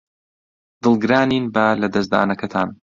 دڵگرانین بە لەدەستدانەکەتان.